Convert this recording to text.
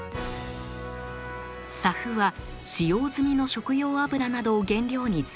ＳＡＦは使用済みの食用油などを原料に作られます。